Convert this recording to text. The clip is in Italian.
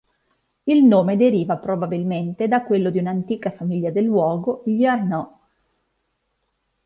Il nome deriva probabilmente da quello di un'antica famiglia del luogo, gli Arnaud.